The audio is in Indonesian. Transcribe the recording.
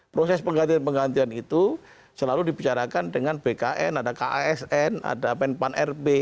proses penggantian penggantian itu selalu dibicarakan dengan bkn ada kasn ada penpan rp